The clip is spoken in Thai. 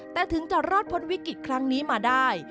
แต่ถึงจะรอดพ้นวิกฤตครั้งนี้มาได้